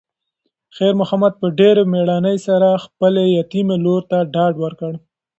خیر محمد په ډېرې مېړانې سره خپلې یتیمې لور ته ډاډ ورکړ.